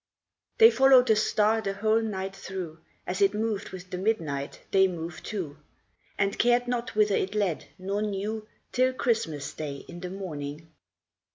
HEY followed the Star the whole night through ; As it moved with the midnight they moved too ; And cared not whither it led, nor knew, Till Christmas Day in the morning.